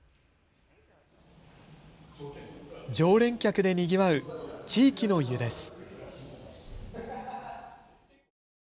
常連客でにぎわう地域の湯です。